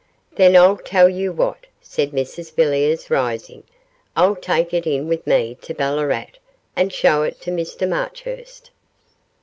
'Then I'll tell you what,' said Mrs Villiers, rising; 'I'll take it in with me to Ballarat and show it to Mr Marchurst.